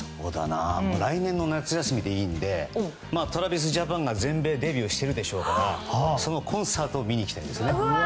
来年の夏休みでいいのでＴｒａｖｉｓＪａｐａｎが全米デビューしてるでしょうからそのコンサートを見に行きたいですね。